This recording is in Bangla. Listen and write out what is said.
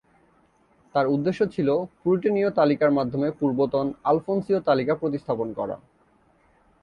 তার উদ্দেশ্য ছিল প্রুটেনীয় তালিকার মাধ্যমে পূর্বতন "আলফোনসীয় তালিকা" প্রতিস্থাপন করা।